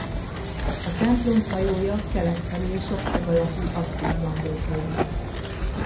A templom hajója kelet felé sokszög alakú apszisban végződik.